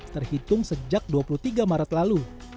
terhitung sejak dua puluh tiga maret lalu